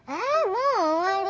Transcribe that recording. もう終わり。